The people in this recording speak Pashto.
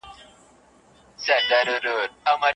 د پښتو د پرمختګ لپاره باید نوې لارې پیدا کړل سي.